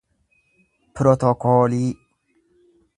pirotokoolii